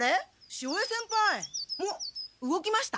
潮江先輩。も動きました？